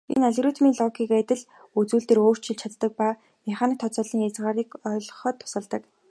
Энэ нь алгоритмын логикийг адилхан үзүүлэхээр өөрчлөгдөж чаддаг ба механик тооцооллын хязгаарыг ойлгоход тусалдаг.